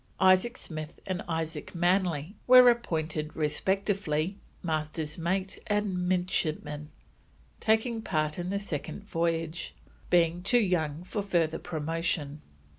Isaac Smith and Isaac Manly were appointed respectively Master's mate and midshipman, taking part in the Second Voyage, being too young for further promotion.